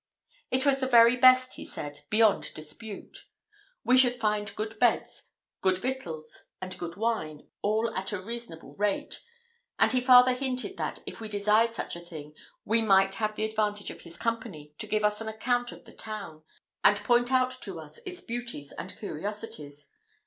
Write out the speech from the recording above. It was the very best, he said, beyond dispute: we should find good beds, good victuals, and good wine, all at a reasonable rate; and he farther hinted, that, if we desired such a thing, we might have the advantage of his company, to give us an account of the town, and point out to us its beauties and curiosities.